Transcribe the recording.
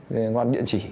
liên quan đến điện chỉ